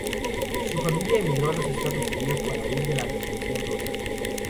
Su familia emigró a los Estados Unidos para huir de la Revolución rusa.